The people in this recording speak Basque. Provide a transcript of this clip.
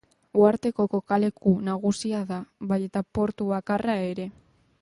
Uharteko kokaleku nagusia da, bai eta portu bakarra ere.